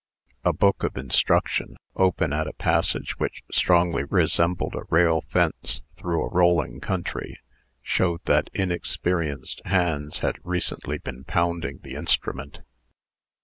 A book of instruction, open at a passage which strongly resembled a rail fence through a rolling country, showed that inexperienced hands had recently been pounding the instrument.